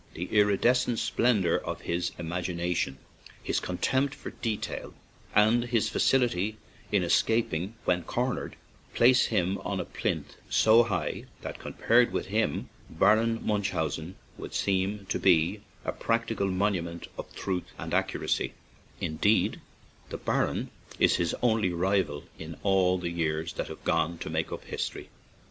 The iridescent splendor of his imagination, his contempt for detail, and his facility 78 ACHILL ISLAND in escaping when cornered, place him on a plinth so high that compared with him, Baron Munchausen would seem to be a practical monument of truth and accuracy; indeed, the Baron is his only rival in all the years that have gone to make up history.